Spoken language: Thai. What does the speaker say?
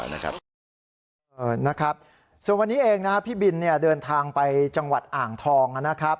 นะครับส่วนวันนี้เองพี่บินเดินทางไปจังหวัดอ่างทอง